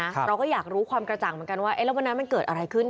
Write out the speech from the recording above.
เราก็อยากรู้ความกระจ่างเหมือนกันว่าแล้ววันนั้นมันเกิดอะไรขึ้น